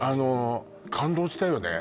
感動したよね